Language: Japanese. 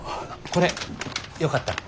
これよかったら。